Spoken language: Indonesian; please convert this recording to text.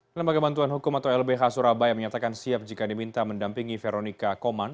lembaga bantuan hukum atau lbh surabaya menyatakan siap jika diminta mendampingi veronica koman